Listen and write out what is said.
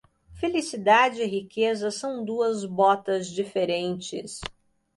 Felicidade e riqueza são duas botas diferentes.